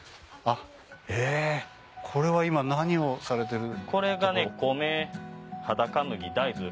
えこれは今何をされてる？